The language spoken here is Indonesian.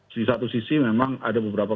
di satu sisi memang ada beberapa